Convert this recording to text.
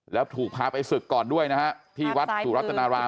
แล้วถูกพาไปศึกก่อนด้วยนะฮะที่วัดสุรัตนาราม